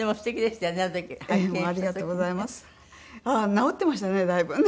治ってましたねだいぶね。